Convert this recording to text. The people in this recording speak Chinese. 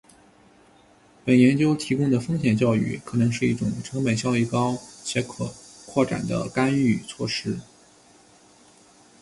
本研究提供的风险教育可能是一种成本效益高且可扩展的干预措施